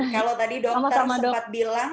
kalau tadi dokter sempat bilang